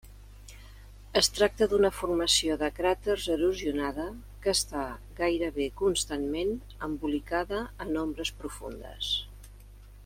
Es tracta d'una formació de cràters erosionada que està gairebé constantment embolicada en ombres profundes.